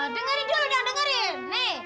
dengarin dulu dong dengerin